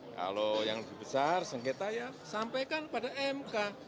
kalau yang lebih besar sengketa ya sampaikan pada mk